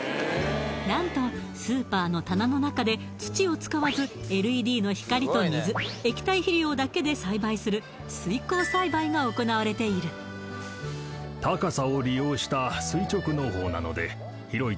なんとスーパーの棚の中で土を使わずＬＥＤの光と水液体肥料だけで栽培する水耕栽培が行われている畑での栽培に比べ土地９９．５％水９５％